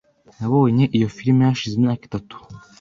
Nabonye iyo firime hashize imyaka itatu .